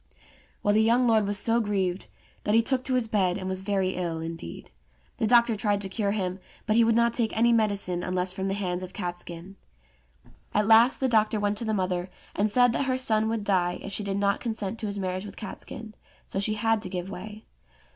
Well, the young lord was so grieved, that he took to his bed and was very ill indeed. The doctor tried to cure him, but he would not take any medicine unless from the hands of Catskin. At last the doctor went to the mother, and said that her son would die if she did not consent to his marriage with Catskin ; so she had to give way.